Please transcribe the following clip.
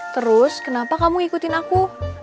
terus kenapa kamu ngikutin aku